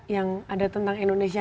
yang ada tentang indonesia